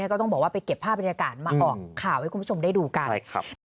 ก็ต้องบอกว่าไปเก็บภาพบรรยากาศมาออกข่าวให้คุณผู้ชมได้ดูกัน